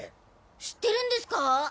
知ってるんですか？